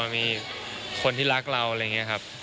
มีคนที่รักเราอะไรอย่างนี้ครับ